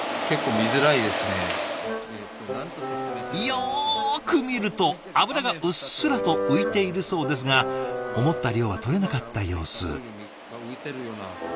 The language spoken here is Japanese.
よく見ると油がうっすらと浮いているそうですが思った量はとれなかった様子。